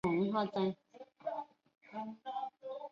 发行版只需要作相对少的修改。